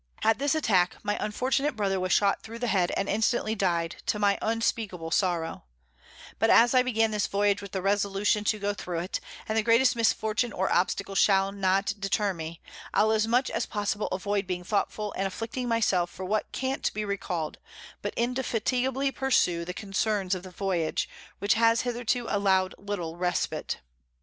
At this Attack my unfortunate Brother was shot thro the Head, and instantly died, to my unspeakable Sorrow: but as I began this Voyage with a Resolution to go thro it, and the greatest Misfortune or Obstacle shall not deter me, I'll as much as possible avoid being thoughtful and afflicting my self for what can't be recall'd, but indefatigably pursue the Concerns of the Voyage, which has hitherto allow'd little Respite.